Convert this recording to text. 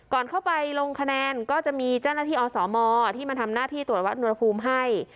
ก่อนเข้าไปลงคะแนนก็จะมีเจ้าหน้าที่อสมที่มาทำหน้าที่ตรวจวัดอุณหภูมิให้